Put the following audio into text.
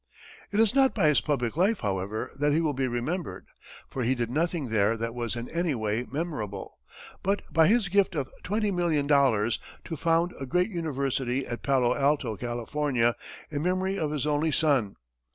It is not by his public life, however, that he will be remembered, for he did nothing there that was in any way memorable, but by his gift of twenty million dollars to found a great university at Palo Alto, California, in memory of his only son.